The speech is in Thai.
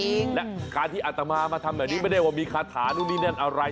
และการที่อัตมามาทำแบบนี้ไม่ได้ว่ามีคาถานู่นนี่นั่นอะไร